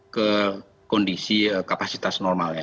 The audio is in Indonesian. ke kondisi kapasitas normal ya